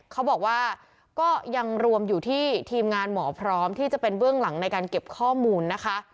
เขาบอกว่าก็ยังรวมอยู่ที่ทีมงานหมอพร้อมที่จะเป็นเบื้องหลังในการเก็บข้อมูลนะคะ